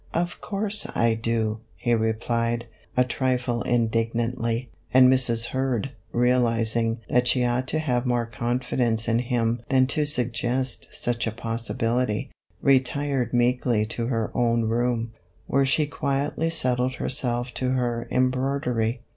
" Of course I do," he replied, a trifle indignantly, and Mrs. Kurd, realizing that she ought to have more confidence in him than to suggest such a pos sibility, retired meekly to her own room, where she quietly settled herself to her embroidery.